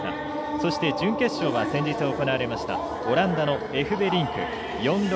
そして準決勝は先日行われましたオランダのエフベリンク。